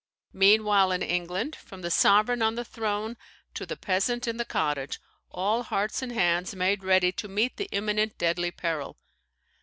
[Mignet.] Meanwhile in England, from the sovereign on the throne to the peasant in the cottage, all hearts and hands made ready to meet the imminent deadly peril.